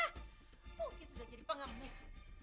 mungkin sudah jadi pengemis